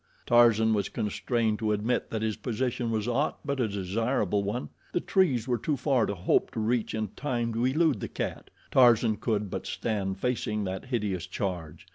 Tarzan was constrained to admit that his position was aught but a desirable one. The trees were too far to hope to reach in time to elude the cat. Tarzan could but stand facing that hideous charge.